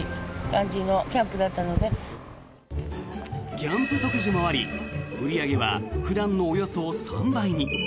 キャンプ特需もあり売り上げは普段のおよそ３倍に。